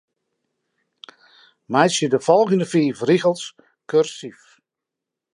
Meitsje de folgjende fiif rigels kursyf.